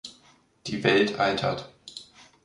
Die Welt altert.